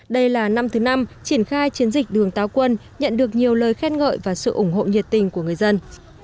đây là năm thứ năm triển khai chiến dịch đường táo quân nhận được nhiều lời khen ngợi và sự ủng hộ nhiệt tình của người dân